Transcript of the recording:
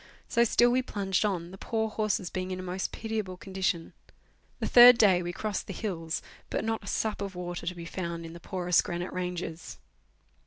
So still we plunged on, the poor horses being in a most pitiable condition. The third day we crossed the hills, but not a sup of water to be found in the porous granite ranges.